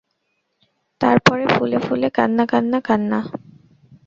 তার পরে ফুলে ফুলে কান্না– কান্না– কান্না।